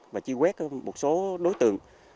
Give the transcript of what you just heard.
và chi quét một số đối tượng